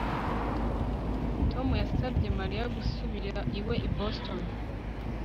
Tom yasabye Mariya gusubira iwe i Boston